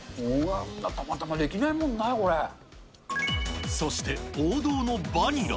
たまたまできないもんな、そして、王道のバニラ。